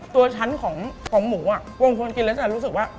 ตัวชั้นของหมูบงคลเล่นสักได้รู้สึกว่า